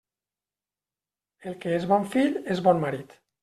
El que és bon fill és bon marit.